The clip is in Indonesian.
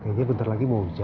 kayaknya bentar lagi mau